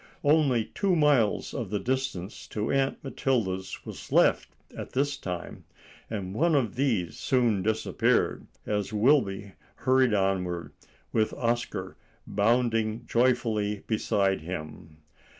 Only two miles of the distance to Aunt Matilda's was left at this time, and one of these soon disappeared as Wilby hurried onward, with Oscar bounding joyfully beside him.